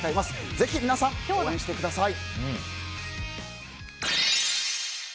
ぜひ皆さん応援してください。